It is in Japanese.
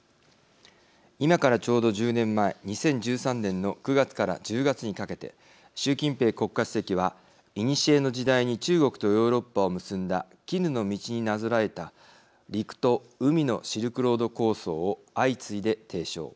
今からちょうど１０年前２０１３年の９月から１０月にかけて習近平国家主席はいにしえの時代に中国とヨーロッパを結んだ絹の道になぞらえた陸と海のシルクロード構想を相次いで提唱。